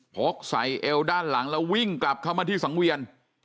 กใส่เอวด้านหลังแล้ววิ่งกลับเข้ามาที่สังเวียน